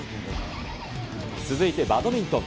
続いてバドミントン。